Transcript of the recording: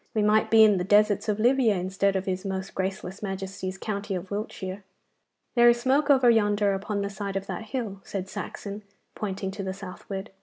We might be in the deserts of Libya instead of his most graceless Majesty's county of Wiltshire.' 'There is smoke over yonder, upon the side of that hill,' said Saxon, pointing to the southward.